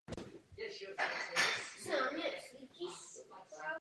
Máme vhodné regulace a byl zlepšen i systém dozoru.